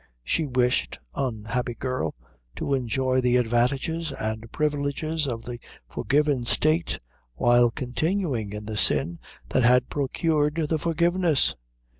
She wished, unhappy girl, to enjoy the advantages and privileges of the forgiven state while continuing in the sin that had procured the forgiveness.